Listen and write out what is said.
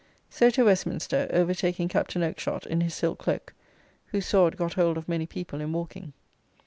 So to Westminster, overtaking Captain Okeshott in his silk cloak, whose sword got hold of many people in walking.